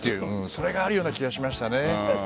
それがあるような気がしましたね。